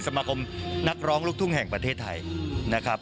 สมาคมนักร้องลูกทุ่งแห่งประเทศไทยนะครับ